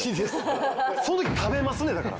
その時は食べますねだから。